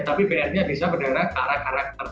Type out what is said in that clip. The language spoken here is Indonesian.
tapi pr nya bisa berdarah karakter